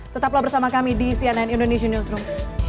tetaplah bersama kami di cnn indonesian newsroom